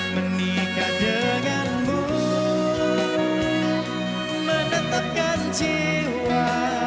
menikah denganku menetapkan jiwa